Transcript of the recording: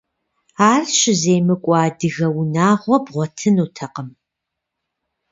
Ар щыземыкӀуэ адыгэ унагъуэ бгъуэтынутэкъым.